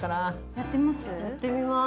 やってみます。